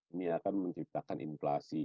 ini akan menciptakan inflasi